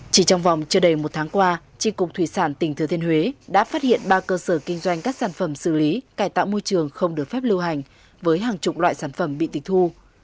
chỉ trong vòng chưa đầy một tháng qua tri cục thủy sản tỉnh thừa thiên huế đã phát hiện ba cơ sở kinh doanh các sản phẩm xử lý cải tạo môi trường không được phép lưu hành với hàng chục loại sản phẩm bị tịch thu